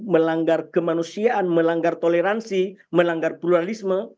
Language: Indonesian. melanggar kemanusiaan melanggar toleransi melanggar pluralisme